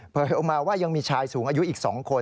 ออกมาว่ายังมีชายสูงอายุอีก๒คน